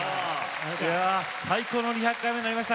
最高の２００回目になりました。